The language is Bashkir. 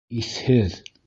Иҫһеҙ!